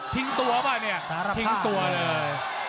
ทิ้งตัวป่ะเนี่ยทิ้งตัวเลย